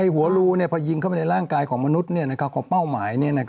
หัวรูพอยิงเข้าไปในร่างกายของมนุษย์ของเป้าหมาย